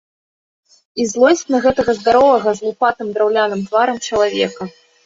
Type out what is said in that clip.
І злосць на гэтага здаровага з лупатым драўляным тварам чалавека.